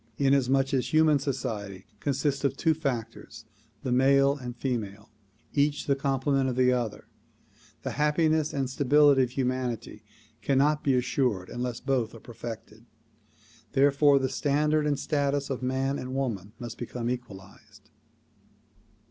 Inasmuch as human society consists of two factors, the male and female, each the complement of the other, the happiness and stability of hu manity cannot be assured unless both are perfected. Therefore the standard and status of man and woman must become equalized.